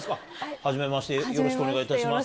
はじめまして、よろしくお願いいたします。